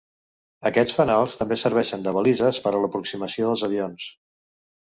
Aquests fanals també serveixen de balises per a l'aproximació dels avions.